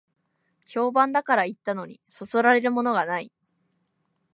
評判だから行ったのに、そそられるものがない